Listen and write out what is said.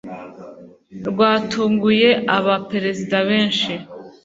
rwatunguye aba perezida benshi,